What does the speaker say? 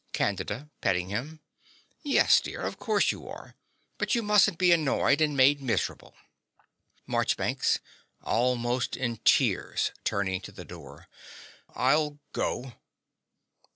CANDIDA (petting him). Yes, dear: of course you are. But you mustn't be annoyed and made miserable. MARCHBANKS (almost in tears, turning to the door). I'll go.